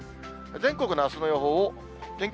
全国のあすの予報を天気